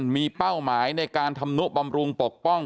มีเป้าหมายในการทำนุบำรุงปกป้อง